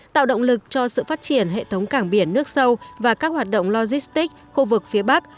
tạo động lực cho sự phát triển hệ thống cảng biển nước sâu và các hoạt động logistics khu vực phía bắc